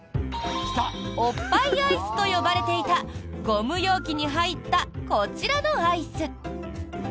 おっぱいアイスと呼ばれていたゴム容器に入ったこちらのアイス。